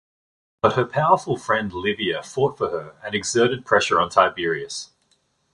But her powerful friend Livia fought for her and exerted pressure on Tiberius.